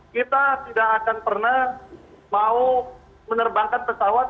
kita tidak akan pernah mau menerbangkan pesawat